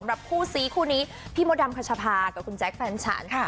สำหรับคู่ซีคู่นี้พี่มดำคัชภารคุณแจ๊กฟันฉันค่ะ